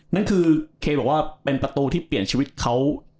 นั่นคือเคบอกว่าเป็นประตูที่เปลี่ยนชีวิตเขา